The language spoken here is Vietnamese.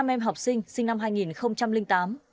năm em học sinh sinh năm hai nghìn tám